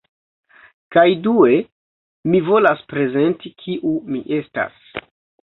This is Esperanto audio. Kaj due, mi volas prezenti kiu mi estas